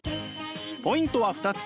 ポイントは２つ。